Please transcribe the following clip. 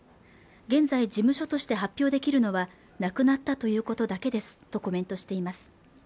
現在事務所として発表できるのは亡くなったということだけですとコメントしています